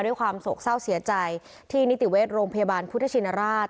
ด้วยความโศกเศร้าเสียใจที่นิติเวชโรงพยาบาลพุทธชินราช